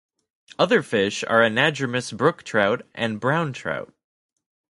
Other fish are anadromous brook trout and brown trout.